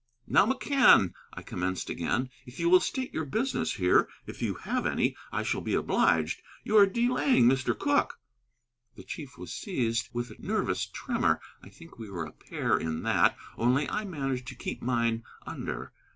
"Now, McCann," I commenced again, "if you will state your business here, if you have any, I shall be obliged. You are delaying Mr. Cooke." The chief was seized with a nervous tremor. I think we were a pair in that, only I managed to keep mine, under.